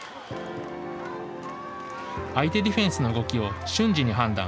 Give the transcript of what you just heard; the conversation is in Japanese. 相手ディフェンスの動きを瞬時に判断。